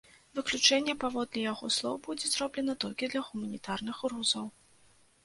Выключэнне, паводле яго слоў, будзе зроблена толькі для гуманітарных грузаў.